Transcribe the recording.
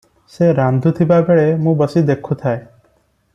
ସେ ରାନ୍ଧୁଥିବା ବେଳେ ମୁଁ ବସି ଦେଖୁଥାଏ |"